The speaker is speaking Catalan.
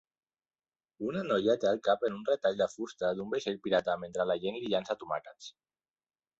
Una noia té el cap en un retall de fusta d'un vaixell pirata mentre la gent li llança tomàquets.